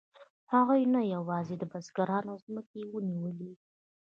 هغوی نه یوازې د بزګرانو ځمکې ونیولې